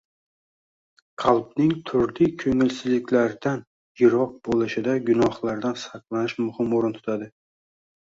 Qalbning turli ko'ngilsizliklardan yiroq bo‘lishida gunohlardan saqlanish muhim o‘rin tutadi.